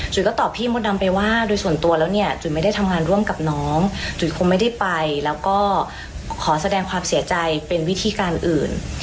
ก็ตอบพี่มดดำไปว่าโดยส่วนตัวแล้วเนี่ยจุ๋ยไม่ได้ทำงานร่วมกับน้องจุ๋ยคงไม่ได้ไปแล้วก็ขอแสดงความเสียใจเป็นวิธีการอื่น